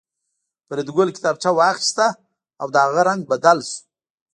فریدګل کتابچه واخیسته او د هغه رنګ بدل شو